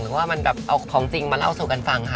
หรือว่ามันแบบเอาของจริงมาเล่าสู่กันฟังค่ะ